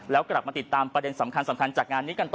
แล้วกลับมาติดตามประเด็นสำคัญจากงานนี้กันต่อ